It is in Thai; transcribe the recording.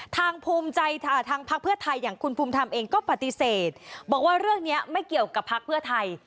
ภูมิใจทางพักเพื่อไทยอย่างคุณภูมิธรรมเองก็ปฏิเสธบอกว่าเรื่องนี้ไม่เกี่ยวกับพักเพื่อไทย